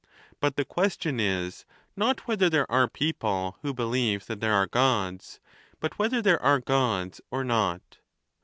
But the question is, not whether there ai e people who believe that there are Gods, but whether there are Gods or not.